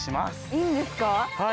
いいんですか？